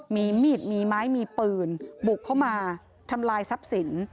มีมีดมีไม้มีปืนบุกเข้ามาทำลายทรัพย์สิน